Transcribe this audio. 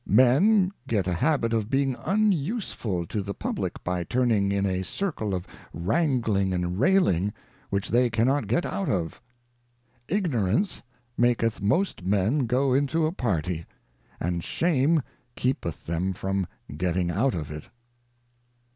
Men get a habit of being unuseful to the Publick by turn ing in a Circle of Wrangling and Railing, which they cannot get out of.' ' Ignorance maketh most Men go into a Party, and Shame keepeth them from getting out of it.'